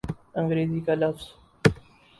انگریزی کا لفظ ہے۔